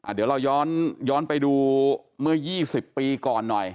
เดี๋ยวเราย้อนไปดูเมื่อ๒๐ปีก่อนหน่อย